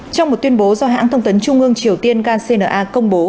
trong một tuyên bố do hãng thông tấn trung ương triều tiên kcna công bố